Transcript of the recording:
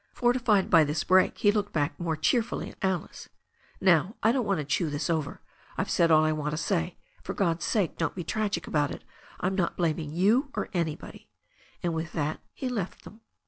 Fortified by this break he looked back more cheerfully at Alice. "Now, I don't want to chew this over. I've said all I want to say. For God's sake don't be tragic about it. I'm not blaming you or anybody." And with that he left them.